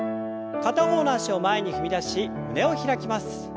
片方の脚を前に踏み出し胸を開きます。